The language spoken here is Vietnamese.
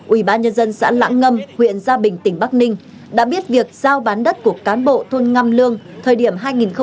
ubnd xã lãng ngâm huyện gia bình tỉnh bắc ninh đã biết việc giao bán đất của cán bộ thôn ngâm lương thời điểm hai nghìn tám hai nghìn chín